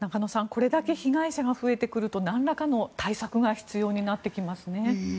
これだけ被害者が増えてくるとなんらかの対策が必要になってきますね。